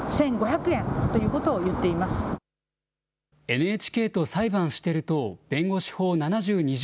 ＮＨＫと裁判してる党弁護士法７２条